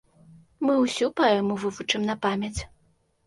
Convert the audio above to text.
Мы ўсю паэму вывучым на памяць.